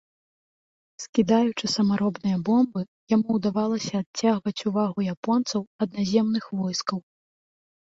Скідаючы самаробныя бомбы, яму ўдавалася адцягваць увагу японцаў ад наземных войскаў.